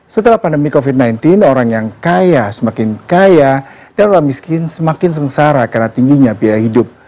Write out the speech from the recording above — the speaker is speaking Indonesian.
setelah pandemi covid sembilan belas orang yang kaya semakin kaya dan orang miskin semakin sengsara karena tingginya biaya hidup